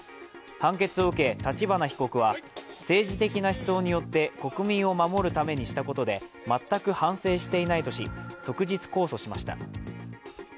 判決を受け、立花被告は政治的な思想によって国民を守るためにしたことで全く反省していないとし即日控訴しました。